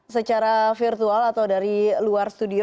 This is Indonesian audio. secara virtual atau dari luar studio